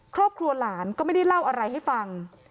ครอบครัวหลานก็ไม่ได้เล่าอะไรให้ฟัง